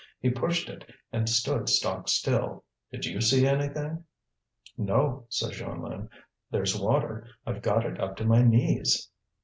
He pushed it, and stood stock still. Did you see anything?" "No," said Jeanlin. "There's water, I've got it up to my knees."